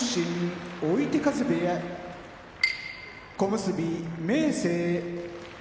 追手風部屋小結・明生